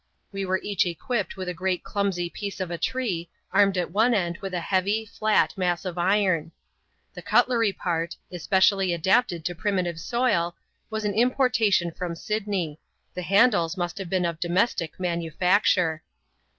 We were each equipped with a great clumsy piece of a tree^ armed at one end with a heavy, flat mass of iron. The cutlery part — especially adapted to a primitive soil — was an importation from Sydney ; the handles must have been of domestic manufacture.